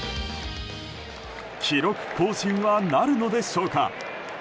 記録更新はなるのでしょうか。